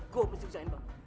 gue mesti usahain bang